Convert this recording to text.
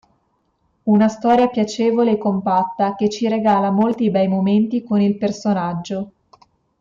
Una storia piacevole e compatta che ci regala molti bei momenti con il personaggio".